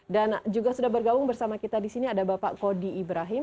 dan juga sudah bergabung bersama kita di sini ada bapak kody ibrahim